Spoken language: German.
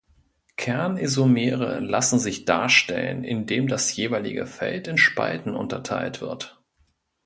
Kernisomere lassen sich darstellen, indem das jeweilige Feld in Spalten unterteilt wird.